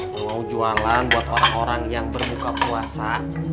mau jualan buat orang orang yang berbuka puasa